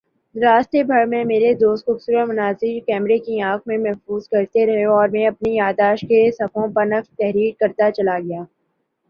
راستے بھر میں میرے دوست خوبصورت مناظر کیمرے کی آنکھ میں محفوظ کرتے رہے اور میں اپنی یادداشت کے صفحوں پر نقش تحریر کرتاچلا گیا